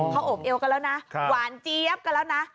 เขาโอบเอวกันแล้วนะหวานเจี๊ยบกันแล้วนะ